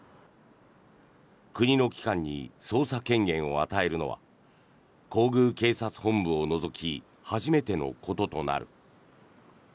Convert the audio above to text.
国の機関に捜査権限を与えるのは皇宮警察本部を除き初めてのこととなる。